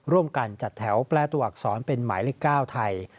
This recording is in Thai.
ร่วมกันจัดแถวแปลตัวอักษรเป็นหมายเลข๙ไทย